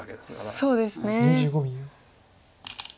そうですね。